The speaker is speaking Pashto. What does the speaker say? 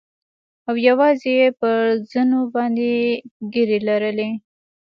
او يوازې يې پر زنو باندې ږيرې لرلې.